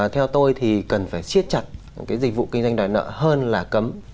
theo tôi thì cần phải siết chặt cái dịch vụ kinh doanh đòi nợ hơn là cấm